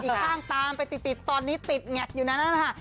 อีกข้างตามไปติดตอนนี้ติดแงกอยู่นั้นนะคะ